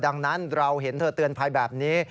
ดังนั้นเราเห็นเธอเตือนภัยแบบนี้